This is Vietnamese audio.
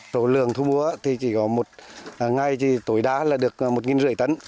số lượng thu mua thì chỉ có một ngày thì tối đá là được một năm trăm linh tấn